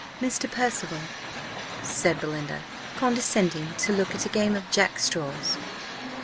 "Mr. Percival," said Belinda, "condescending to look at a game of jack straws!"